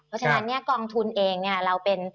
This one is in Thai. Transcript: เพราะฉะนั้นเนี่ยกองทุนเองเนี่ยเราเป็น